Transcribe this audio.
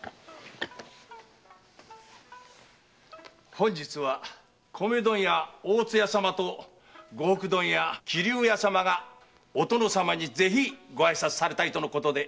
本日は米問屋・大津屋様と呉服問屋・桐生屋様がお殿様に是非ご挨拶されたいとのことでお連れ致しました。